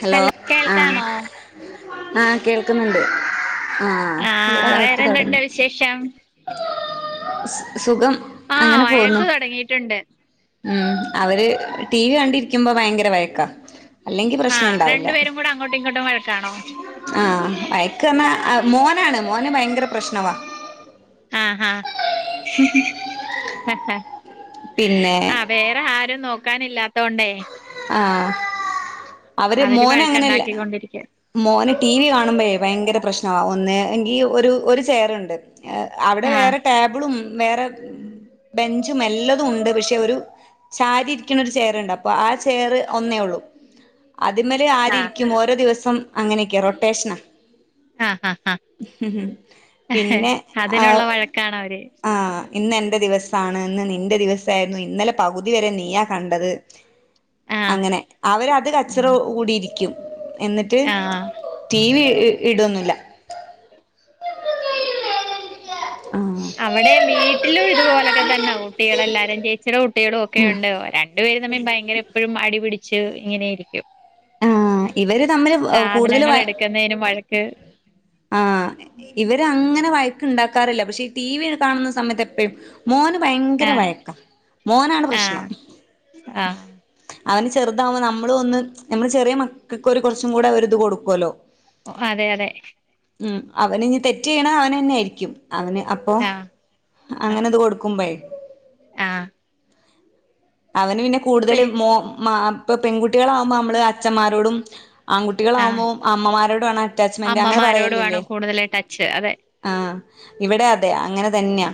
Hello ആഹ് ആഹ് കേൾക്കുന്നുണ്ട് ആഹ് ഇവിടെ വഴക്ക് വേറെന്തുണ്ട് തൊടങ്ങി വിശേഷം സുഖം ആഹ് അങ്ങനെ പോകുന്നു വഴക്ക് തൊടങ്ങിയിട്ടുണ്ട് ഉം അവര് ടി വി കണ്ടിരിക്കുമ്പോ ഭയങ്കര വയക്കാ ആഹ രണ്ട് പേരും കൂടെ അങ്ങോട്ടും ഇങ്ങോട്ടും വഴക്കാണോ ആ വയ്ക്ക്‌ പറഞ്ഞാ അ മോനാണ് മോന് ഭയങ്കര പ്രശ്നവാ ആഹാ [unintelligible] ഹേ ഹേ പിന്നെ വേറെ ആരും നോക്കാനില്ലാത്തോണ്ടേ ആഹ് അവര് മോന് അങ്ങനെയല്ല മോന് ടി വി കാണുമ്പയ് ഭയങ്കര പ്രശ്നവാ ഒന്ന് എങ്കിൽ ഒരു ഒരു ചെയറുണ്ട് ഹേ അവിടെ ആഹ് വേറെ ടേബിളും വേറെ ബെഞ്ചും എല്ലതും ഉണ്ട് പക്ഷേ ഒരു ചാരി ഇരിക്ക്‌ണ ഒരു ചെയറുണ്ട് അപ്പോ ആ ചേയറ് ഒന്നേ ഒള്ളൂ അതിമേൽ ആര് ഇരിക്കും ഓരോ ദിവസം അങ്ങനെയൊക്കെ റൊട്ടേഷനാ ആഹ് ആഹ് [unintelligible] ആഹ് പിന്നെ ആഹ് അതിനുള്ള വഴക്കാണ് അവര് ആഹ് ഇന്ന് എന്റെ ദിവസാണ് ഇന്ന് നിന്റെ ദിവസയിരുന്നു ഇന്നലെ പകുതി വരെ നീയാ കണ്ടത് ആഹ് അങ്ങനെ അവര് അത് കച്ചറ ഉം കൂടിയിരിക്കും എന്നിട്ട് ആഹ് ടി വി ഇ ഇടൊന്നുല്ല ആഹ് അവിടെ വീട്ടിലും ഇതുപോലൊക്കെ തന്നാ കുട്ടികള എല്ലാരും ചേച്ചിയുടെ കുട്ടികളും ഒക്കെ ഉണ്ട് രൻ രണ്ടു പേരും ഭയങ്കര എപ്പോഴും അടിപിടിച്ച് ഇങ്ങനെയിരിക്കും ആഹ് ഇവര് തമ്മില് കൂടുതല് സാധനങ്ങൾ വ എടുക്കുന്നതിനും വഴക്ക് ആഹ് ഇവര് അങ്ങനെ വയക്ക് ഉണ്ടാക്കാറില്ല പക്ഷേ ഈ ടി വി കാണുന്ന സമയത്ത് എപ്പഴും മോന് ഭയങ്കര ആഹ് വയക്കാ മോനാണ് പ്രശ്നം ആഹ് ആഹ് അവന് ചെറുതാവകുമ്പോ നമ്മളും ഒന്ന് നമ്മള് ചെറിയ മക്കൾക്ക് കൊറച്ചും കൂടെ ഒരു ഇത് കൊടുക്കോലോ അതെ അതെ ഉം അവന് ഇഞ്ഞ് തെറ്റ് ചെയ്യ്ണ അവനന്നെ ആയിരിക്കും അവന് ആഹ്. ആഹ് അങ്ങനെ ഇത് കൊടുക്കുമ്പോയ് ആഹ് അവന് പിന്നെ പി കൂടുതല് മോ മാ പ്പ് പെൺകുട്ടികളാകുമ്പോ നമ്മള് അച്ഛന്മാരോടും ആഹ് ആൺകുട്ടികളാകുമ്പോം അമ്മമാരോട് ആണ് അറ്റാച്ച്മെന്റ് അങ്ങനെ അമ്മമാരോട് പറയലില്ലേ. വേണം കൂടുതൽ ടച്ച് അതെ ആഹ് ഇവടെ അതെ അങ്ങനെ തന്നെയാ,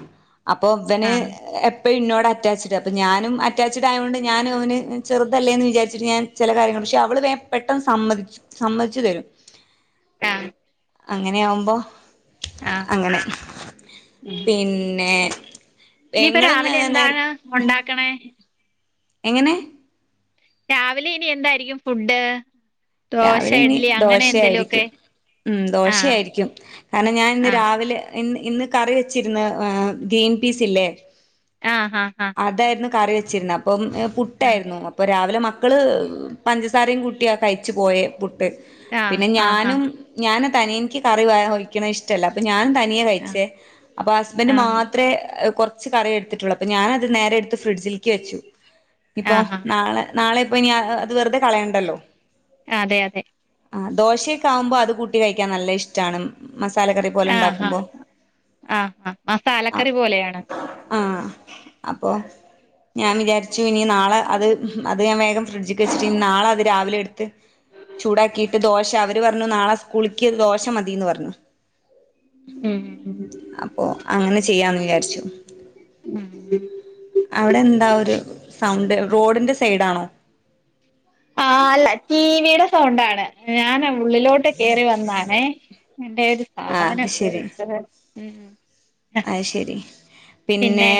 അപ്പൊ ഇവന് ആഹ് എ- അപ്പഴ് ഇന്നോട് അറ്റാച്ച്ഡ് അപ്പം ഞാനും അറ്റാച്ച്ഡ് ആയോണ്ട് ഞാനും അവന് ചെറുതല്ലേന്ന് വിജാരിച്ചിട്ട് ഞാൻ ചില കാര്യങ്ങൾ പക്ഷെ അവള് വേം പെട്ടെന്ന് സമ്മതിച്ച് സമ്മതിച്ചു തരും. ആഹ്. അങ്ങനെയാ ആകുമ്പോ ആഹ് അങ്ങനെ പി ഇനിപ്പൊ രാവിലെ നേ എന്താണ് ഉണ്ടാക്കണേ? എങ്ങനെ? രാവിലെ ഇനി എന്തായിരിക്കും ഫുഡ്? ദോശ രാവിലെ ഇനി ഇഡ്ലി അങ്ങനെ എന്തേലും ഒക്കെ ദോശയായിരിക്കും ഉം ആഹ് ദോശയായിരിക്കും. കാരണം ഞാൻ ഇന്ന് ആഹ് രാവിലെ ഇ ഇന്ന് കറി വെച്ചിര്ന്ന ഗ്രീൻ പീസ് ഇല്ലേ. ആഹ് ഹാ ഹാ. അതായിരുന്നു കറി വെച്ചിരുന്നേ അപ്പൊ പുട്ട് ആയിരുന്നു അ രാവിലെ മക്കള് പഞ്ചസാരിം കൂട്ടിയാ കഴിച്ച് പോയേ പു ആഹ് പിന്നെ ആഹ് ആഹ് ഞാനും ഞാനാ തനിയെ ഇൻക്ക് കറി ഒഴിക്ണ ഇഷ്ട്ട അല്ല അപ്പൊ ഞാനും ത തനിയെ ആഹ് കഴിച്ചേ, അപ്പൊ ഹസ്ബൻഡ് ആഹ് ആഹ് മാത്രേ കൊർച് കറി എടുത്തിട്ടോള്ളൂ അപ്പൊ ഞാ അത് നേരെ എടുത്ത് ഫ്രിഡ്ജിൽക്ക് വെച്ചു ഇപ്പൊ ആഹ് ആഹ് നാളെ നാളെ ഇപ്പോ ഇനി അ അത് വെറുതെ കളയണ്ടല്ലോ. അതെ അതെ. ആഹ്, ദോശയൊക്കെ ആവുമ്പോ അത് കൂട്ടി കഴിക്കാൻ നല്ല ഇഷ്ട്ടാണ് മസാല കറി പോലെ ആഹ് ആഹ് ണ്ടാക്കുമ്പോ. ആഹ് ആ മസാലക്കറി പോലെയാണ്. അപ്പോ ഞാൻ വിചാരിച്ചു ഇനി നാളെ അത് അത് ഞാൻ വേഗം ഫ്രിഡ്ജ്ക്ക് വെച്ചിട്ട് ഇനി നാളെ അത് രാവിലെ എടുത്ത് [inaudible] ചൂടാക്കിയിട്ട് ദോശ അവര് പറഞ്ഞു നാളെ സ്കൂളിക്ക് ദോശ മതീന്ന് പറഞ്ഞു. ഉം അപ്പൊ അങ്ങനെ ചെയ്യാന്ന് വിചാരിച്ചു. ഉം ഉ അവടെ ന്താ ഒരു സൗണ്ട് റോഡിൻ്റെ സൈഡാണോ? ആഹ് അല്ല ടിവീടെ സൗണ്ടാണ് ഞാന് ഉള്ളിലോട്ട് കേറി വന്നാണേ, എന്റെ ഒരു ആ അത് സ്ഥാപനം [unintelligible] ഉം അയ് ശരി പിന്നെ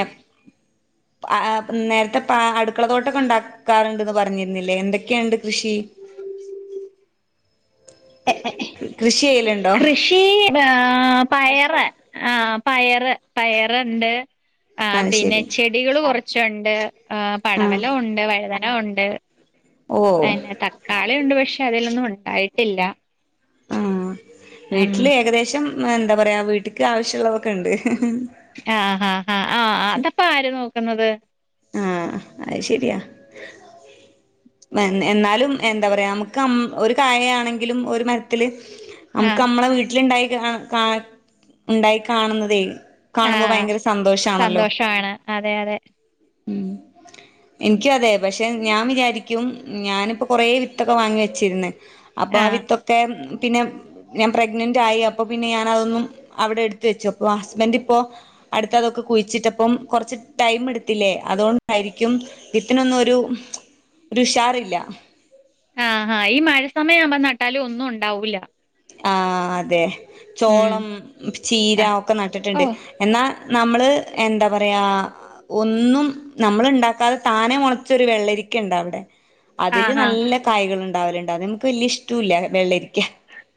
അ അ നേരത്തെ പ അടുക്കള തോട്ടൊക്കെ ഉണ്ടാക്കാറുണ്ട്ന്ന് പറഞ്ഞിരുന്നില്ലേ എന്തൊക്കെയുണ്ട് കൃഷി? [inaudible] [inaudible] കൃഷി യ്യേല് കൃഷീ ആ പയറ് ആ പയറ് പയറ്ണ്ട്. ആഹ് അത് പിന്നെ ശരി ചെടികള് കൊറച്ചുണ്ട്, ആ ആഹ് പടവലം ഉണ്ട് വഴുതന ഉണ്ട്. ഓ അയന്നെ തക്കാളി ഉണ്ട് പക്ഷെ അതിലൊന്നും ഉണ്ടായിട്ടില്ല. ആഹ് ഉം വീട്ടില് ഏകദേശം എന്താ പറയാ വീട്ട്ക്ക് ആവശ്യള്ളതൊക്കണ്ട്. ആഹ് ആ ആ ആ ആ അതപ്പാ ആര് നോക്ന്നത്? ആഹ് അയ് ശരിയാ. എന്ന എന്നാലും എന്താ പറയാ നമുക്ക് ഒരു കായ യാണെങ്കിലും ഒരു മര ത്തില് ആ അമുക്ക് അമ്മളെ വീട്ടില്ണ്ടായി കാ കാ ഉണ്ടായി കാണുന്നതേയ് ആ കാണുമ്പോ ഭയങ്കര സന്തോഷാണല്ലോ. സന്തോഷാണ് അതെ അതെ. ഇൻക്കും അതെ പക്ഷേ ഞാൻ വിചാരിക്കും ഞാനിപ്പോ കൊറേ വിത്തൊക്കെ വാങ്ങി വച്ചിരുന്ന്. അപ്പൊ ആ വിത്തൊക്കെ പിന്നെ ഞാൻ പ്രെഗ്നന്റ് ആയി അപ്പൊ പിന്നെ ഞാന അതൊന്നും അവിടെ എടുത് വെച്ചു അപ്പോ ഹസ്ബൻന്റ് ഇപ്പോ അടുത്തതൊക്കെ കുഴിച്ചിട്ടപ്പം കൊറച്ച് ടൈമെടുത്തില്ലേ അതുകൊണ്ടായിരിക്കും വിത്തിനൊന്നും ഒരു രുഷാറില്ല ആ ഹാ ഈ മഴ സമയം ആവുമ്പോ നട്ടാല് ഒന്നും ഉണ്ടാവൂല്ല ആ അതെ ഉം ചോളം ചീര ആഹ് ഒക്കെ നട്ടിട്ടുണ്ട് ഓഹ് എന്നാ നമ്മള് എന്താ പറയാ ഒന്നും നമ്മള് ണ്ടാക്കാതെ താനെ മൊളച്ചൊരു വെള്ളരിക്കണ്ടവടെ അതില് ആഹാ നല്ല കായകളുണ്ടാവലുണ്ട് അതെനിക്ക് വല്ല്യ ഇഷ്ട്ടൂല്ല വെള്ളരിക്ക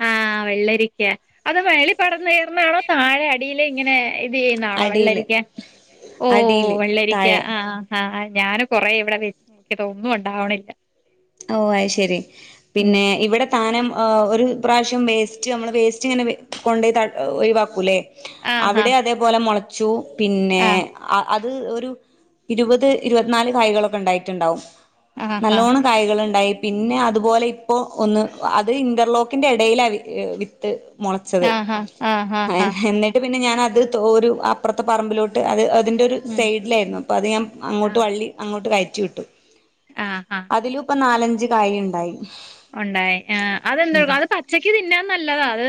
ആ വെള്ളരിക്ക അത് മേളി പടന്ന് കേറൂന്നാണോ താഴെ അടിയിലിങ്ങനെ ചെയുന്നാണോ അടിയില് വെള്ളരിക്ക ഓ അടിയില് വെള്ളരിക്ക താഴെ ആ ആ ഞാന് കൊറെേ ഇവിടെ വെച്ചിട്ട് ഒന്നും ഒണ്ടാവണില്ല ഓ അയ് ശരി ഉം പിന്നെ ഇവിടെ ത്താനം ഓ ഒരു പ്രാവശ്യം വേസ്റ്റ് നമ്മള് വേസ്റ്റിങ്ങനെ കൊണ്ടു പോയി തട് ഒയിവാക്കൂലേ ആഹ് ഹാ അവിടെ അതേപോലെ മൊളച്ചു പിന്നെ ആഹ് ആ അത് ത് ഒരു ഇരുപത് ഇരുപത്തിനാല് കായ്കളൊക്കെണ്ടായിട്ടുണ്ടാവും ആഹ് ഹാ നല്ലോണം കായികളുണ്ടായി പിന്നെ അതുപോലെ ഇപ്പൊ ഒന്ന് അത് ഇന്റർലോക്കിന്റെ എടയിലല് ഇപ് ത്ത് മൊളച്ചത് ആഹ് ഹാ ആഹ് ഹാ ഏ ഹാ ഹെന്നെ ട്ട് പിന്നെ ഞാനത് തോരു അപ്പുറത്തെ പറമ്പിലോട്ട് അത് തിന്റൊരു ഉം സൈഡിലായിരുന്നു അപ്പൊ അത് ഞമ് അങ്ങോട്ട് വള്ളി അങ്ങോട്ട് കയറ്റി വിട്ടു ആ ആ അതിലുപ്പൊ നാലഞ്ച് കായ് ണ്ടായി ഒണ്ടായി ആ അതെന്തെട്ക്കും അത് പച്ചക്ക് തിന്നാ നല്ലതാ അത്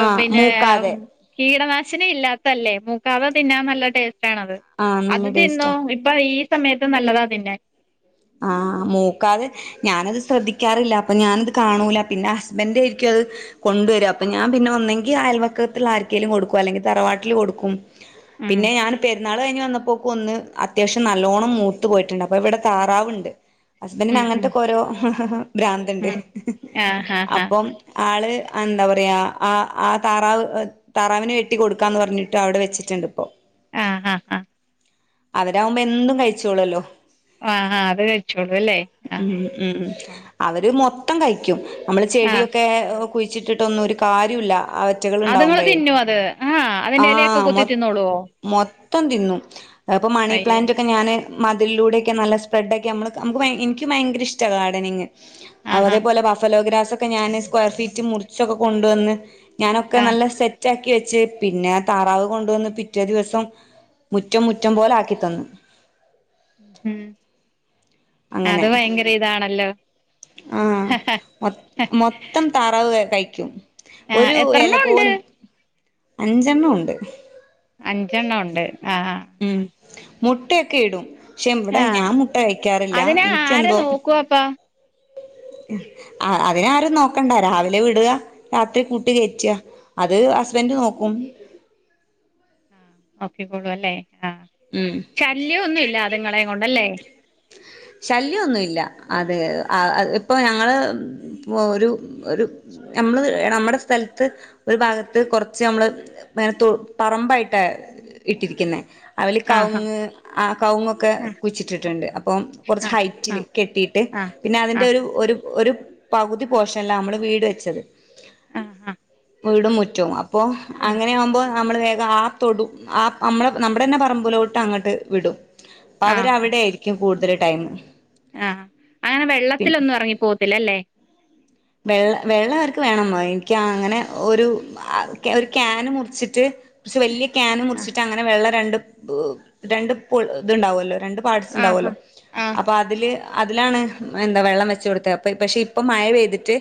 ആഹ് പിന്നെ മൂക്കാതെ കീടനാശിനി ഇല്ലാത്തല്ലേ മൂക്കാതെ തിന്നാൻ നല്ല ടേസ്റ്റാണത് ആഹ് അത് നല്ല തിന്നോ ടേസ്റ്റാ പ്പൊ ഈ സമയത്തും നല്ലതാ തിന്നാൻ ആ മൂക്കാതെ ഞാനത് ശ്രദ്ധിക്കാറില്ല അപ്പൊ ഞാനത് കാണൂല പിന്നെ ഹസ്ബന്റ് ചോയ്ക്കത് കൊണ്ട് വരും അപ്പൊ ഞാൻ പിന്നെ ഒന്നെങ്കി അയൽവക്കത്തിൽ ആർക്കേലും കൊടുക്കും അല്ലെങ്കി തറവാട്ടില് കൊടുക്കും ഉം പിന്നെ ഞാൻ പെരുന്നാള് കഴിഞ്ഞ് വന്നപ്പോക്ക് ഒന്ന് അത്യാവശ്യം നല്ലോണ്ണം മൂത്തു പോയിട്ടുണ്ട് അപ്പൊ ഇവിടെ ത റാവുണ്ട് ഹസ്ബന്റിന് ഉം ഉം അങ്ങൻതൊക്കോരോ ഭ്രാന്ത്ണ്ട് ഉം ആഹ് ആഹ് അപ്പോം ആള് അയെന്താ പറയാ ആ ആ താറാവ് താവിന് വെട്ടി കൊടുക്കാന്ന് പറഞ്ഞിട്ട് അവിടെ വെച്ചിട്ടുണ്ട് ഇപ്പൊ ആ ആ ആ അതിലാവുമ്പോ എന്തും കഴിച്ചോളൊല്ലോ ആ ആ അത് കഴിച്ചോളൂ അല്ലേ? ഉം ആഹ് ഉം അവര് മൊത്തം കഴിക്കും നമ്മള് ആഹ് ചെടിയൊക്കെ കുയിച്ചിട്ടിട്ടൊന്നു ഒരു കാര്യോല്ല അവ അത്ങ്ങള് തിന്നൊ അത് ആ അതിന്റെ എലയൊക്കെ ആഹ് കൊത്തി മൊ തിന്നോളോ മൊത്തം തിന്നും അപ്പൊ മണി അയ്യോ പ്ലാന്റൊക്കെ ഞാന് മതിലിലൂടെക്കെ നല്ല സ് സ്പ്രെടൊക്കെ നമ്മള് നമുക്ക് ഭയ എനിക്ക് ഭയങ്കര ഇഷ്ടാ ഗാർഡനിങ് അവ് ആഹാ അതേപോലെ ബഫലോഗ്രാസൊ ക്കെ ഞാന് സ്ക്വയർ ഫീറ്റ് മുറിച്ചൊക്കെ കൊണ്ടുവന്ന് ഞാനൊക്കെ ആഹ് നല്ല സെറ്റ് റ്റാക്കി വെച്ച് പിന്നെ ആ താറാവ് കൊണ്ടുവന്ന് പിറ്റേ ദിവസം മുറ്റം മുറ്റം പോലെ ആക്കി തന്നു ഉം അത് ഭയങ്കര ഇതാണല്ലോ ആ മൊ മൊത്തം താറാവ് വെ കഴിക്കും ആഹ് ഒരു എല എത്രണ്ണം ഉണ്ട് പോലും അഞ്ചേണ്ണോണ്ട് അഞ്ചേണ്ണോണ്ട് ആ ആ ഉം മുട്ടയൊക്കെ ഇടും പക്ഷെ ഇവിടെ ആഹ് ഞാൻ മുട്ട കഴിക്കാറില്ല എനിക്കെന്തോ കു വാപ്പാ അ അതിനാരും നോക്കണ്ട രാവിലെ വിടുക രാത്രി കൂട്ട് കയറ്റ അത് ഹസ്ബന്റ് നോക്കും നോക്കിക്കോളൂ അല്ലേ ആ ഉം ശല്യന്നുല്ല അത്ങ്ങളെ കൊണ്ടല്ലേ ശല്യന്നുല്ല അതെ ഇപ്പോൾ ഞങ്ങൾ ഒരു ഒരു നമ്മള് നമ്മടെ സ്ഥലത്ത് ഒരു ഭാഗത്ത് കൊറച്ച് നമ്മള് മേലത്തു പറമ്പായിട്ടാ ഇട്ടിരിക്കുന്നെ അവൽ ആഹ് കവുങ് ആ കവുങ്ങൊക്കെ കുഴിച്ചിട്ടിട്ടുണ്ട് അപ്പം കൊറച്ച് ആഹ് ഹൈറ്റിൽ ആഹ് കെട്ടിയിട്ട് ആഹ് പിന്നെ അതിന്റെ ആഹ് ഒരു ഒരു ഒരു പകുതി പോഷനില നമ്മള് വീട് വെച്ചത് ആഹ് ആഹ് വീടും മുറ്റവും അപ്പോ അങ്ങനെ ആവുമ്പോ നമ്മള് വേഗം ആ തൊടും ആ നമ്മള നമ്മുടെ തന്നെ പറമ്പിലോട്ട് അങ്ങട്ട് വിടും അപ്പ ആഹ് ആഹ് അവരവിടെ ആയിരിക്കും കൂടുതൽ ടൈം ആഹ് അങ്ങനെ പിന്നെ വെള്ളത്തിലൊന്നും ഇറങ്ങി പോത്തില്ല അല്ലേ വെള്ള വെള്ളം ആർക്ക് വേണമായി എനിക്ക് അങ്ങനെ ഒരു ആഹ് ഒരു കാന് മുറിച്ചിട്ട് കൊറച് വലിയ കാന് ആഹ് മുറിച്ചിട്ട് അങ്ങനെ വെള്ളം രണ്ട് രണ്ട് ഇത്ണ്ടാവല്ലോ രണ്ട് പാട്സ് ആഹ് ഇണ്ടാവല്ലോ അപ്പൊ ആഹ് അതില് അതിലാണ് എന്താ വെള്ളം വെച്ച് കൊടുത്തെ അപ്പ പക്ഷെ ഇപ്പം മഴ പെയ്തിട്ട്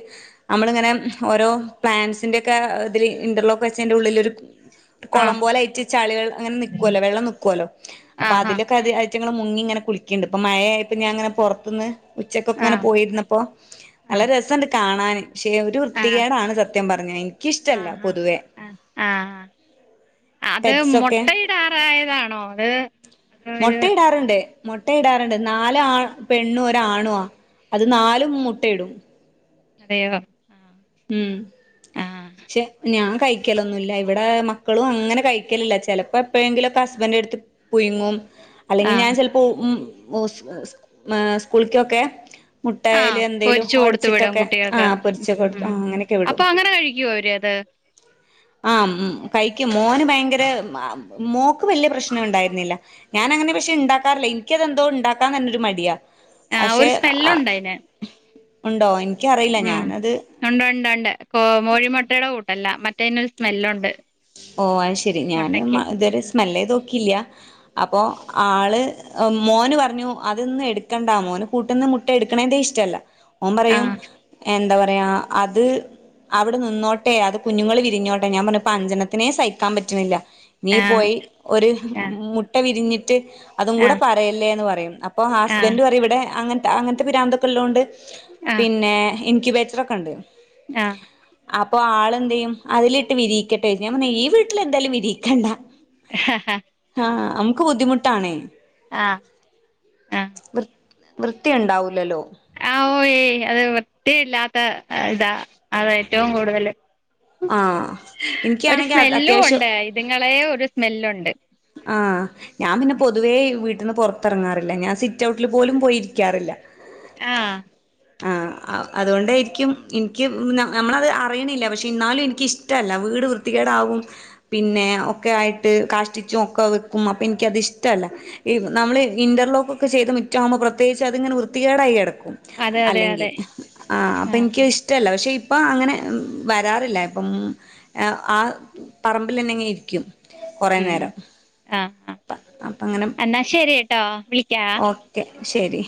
അമ്മളിങ്ങനെ ഓരോ പ്ലാൻസിന്റെ ഒക്കെ ഇതില് ഇന്റർലോക്ക് വെച്ചതിന്റെ ഉള്ളിൽ ഒരു കൊളം ആഹ് പോലെ ആയിറ്റ് ചളികൾ അങ്ങനെ നിക്കുവല്ലോ വെള്ളം നിക്കുവല്ലോ അപ്പ ആഹ് അതിലൊക്കെ അത് ഈറ്റിങ്ങള് മുങ്ങിങ്ങനെ കുളി ക്കിണ്ട് ഇപ്പ മഴയായിപ്പ ഞാൻ ഇങ്ങനെ പുറത്തന്ന് ഉച്ചക്കൊക്കെങ്ങന ആഹ് പോയിരുന്നപ്പോ നല്ല ആഹ് രസണ്ട് കാണാൻ പക്ഷെ ഒരു ആഹ് വൃത്തികേടാണ് സത്യം പറഞ്ഞ കഴിഞ്ഞ ആഹ് ആഹ് ആഹ് അത് പെറ്റ്സൊക്കെ മൊട്ട ഇ [unintelligible] അത് അതോ ഇത് മൊട്ടയിടാറുണ്ട് മൊട്ടയിടാറുണ്ട് നാല് ആ പെണ്ണു ആണുവാ അത് നാലും മുട്ടയിടും [unintelligible] ഉം ആഹ് പക്ഷെ ഞാൻ കഴിക്കലൊന്നുല്ല ഇവിടെ മക്കളും അങ്ങനെ കഴിക്കലില്ല ചെലപ്പോ എപ്പോഴെങ്കിലു ഒക്കെ ഹസ്ബന്റെടുത്ത് പുഴുങ്ങും അല്ലെങ്കി ഞാൻ ആഹ് ചെലപ്പോള് ഉം സ്കൂളിക്കൊക്കെ ആഹ് മുട്ടയല് എന്തേലും പൊരിച്ചു കൊടുത്തു വിടും ഒടച്ചിട്ടൊക്കെ ആ കുട്ടികൾക്ക് പൊരിച്ചൊക്കെ ഉം എടുത്തു ഉം ആ അങ്ങനെയൊക്കെ വിടും അപ്പൊ അങ്ങനെ കഴിക്കുവോ അവര് അത് ആഹ് കഴിക്കും മോന് ഭയങ്കര മോക്ക് വലിയ പ്രശ്നം ഉണ്ടായിരുന്നില്ല ഞാൻ അങ്ങനെ പക്ഷെ ഇണ്ടാക്കാറില്ല എനിക്കിതന്തോ ഇണ്ടാക്കാൻ തന്നൊരു മടിയാ ആഹ് ഒരു പക്ഷെ സ്മെല്ലുണ്ടയിന് ഉണ്ടോ എനിക്കറിയില്ല ഞാനത് ഉണ്ട് ഉണ്ട് ഉണ്ട് കോ കോഴിമുട്ടയുടെ കൂട്ടല്ല മ ഓഹ് അത് ശരി ഞാന് മുട്ടക്ക് ഇതൊരു സ്മെല്ല് എയ്ത് നോക്കിയില്ല അപ്പോ ആള് മോന് പറഞ്ഞു അതൊന്ന് എടുക്കണ്ട മോന് കൂട്ടിന്ന് മുട്ട എടുക്കണേന്റെ ഇഷ്ടല്ല ഓന് പറയും ആഹ് എന്താ പറയാ അത് അവിടെ നിന്നോട്ടെ അത് കുഞ്ഞുങ്ങള് വി രിഞ്ഞോട്ടെ ഞാൻ പറഞ്ഞ് ഇപ്പം അഞ്ചണ്ണത്തിനെ സഹിക്കാൻ പറ്റുന്നില്ല നീ ആഹ് പോയി ഒര് ആഹ് മുട്ട വിരിഞ്ഞിട്ട് അതും കൂടെ ആഹ് പ പറയല്ലേന്ന് പറയും അപ്പൊ ആഹ് ഹസ്ബന്റ് പറയും ഇവിടെ അങ്ങനത്തെ അങ്ങനത്തെ പിരാന്തൊക്കെ ഉള്ള കൊണ്ട് ആഹ് പിന്നെ ഇൻക് ബേറ്ററൊക്കെ ഇണ്ട് ആഹ് അപ്പൊ ആൾ എന്ത്യ്യും അതിലിട്ട് വിരിയിക്കട്ടെ ഞാൻ പറ ഈ വീട്ടിൽ എന്തായാലും വിരിയിക്കണ്ട ആഹ് ഹാ ആഹ് നമുക്ക് ബുദ്ധിമുട്ടാണേ ആഹ് ആഹ് വൃ വൃത്തിയുണ്ടാവൂലല്ലോ ആഹ് ഓഹ് യ് അത് വൃത്തിയില്ലാത്ത ഇതാ അത ഏറ്റവും കൂടുതല് ആഹ് ഇനിക്കാണെങ്കിൽ അത് അത്യാവശ്യം അതുങ്ങളെ ഒരു സ്മെല്ലുണ്ട് ആഹ് ഞാൻ പിന്നെ പൊതുവേ വീട്ടിന്ന് പുറത്തിറങ്ങാറില്ല ഞാൻ സിറ്റ് ഔട്ടിൽ പോലും പോയിരിക്കാറില്ല ആഹ് അതുകൊണ്ടായിരിക്കും എനിക്ക് നമ്മളത് അറിയണില്ല പക്ഷെ എന്നാലും എനിക്ക്ഷ ഇല്ല വീട് വൃത്തികേടാവും പിന്നെ ഒക്കെ ആയിട്ട് കാഷ ട്ടിച്ച് ഒക്കെ വെക്കും അപ്പൊ എനിക്കത്ഷ്ടല്ല ഈ നമ്മള് ഇന്റർലോക്കക്കെ ചെയ്ത മുറ്റാകുമ്പോൾ പ്രത്യേകിച്ച് അതിങ്ങനെ വൃത്തികേടായി കിടക്കും അതെ അതെ അല്ലെങ്കിൽ അതെ ആ അപ്പൊ എനിക്ക് ആഹ് ഇഷ ഇ്ടല്ല പക്ഷെ ഇപ്പം അങ്ങനെ വരാറില്ല ഇപ്പം ആ പറമ്പിൽ തന്നെ ഇങ്ങെ ഇരിക്കും കുറെ ഉം നേരം ആഹ് ആഹ് പ്പാ അപ്പ അങ്ങനെ എന്നാ ശെരി ട്ടോ വിളിക്കാ ഓക്കെ ശരി